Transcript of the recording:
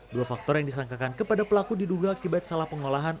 dua faktor yang disangkakan kepada pelaku diduga akibat salah pengolahan